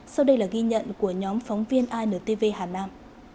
sau đây là ghi nhận của nhóm phóng viên intv hà nam